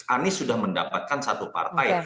anies sudah mendapatkan satu partai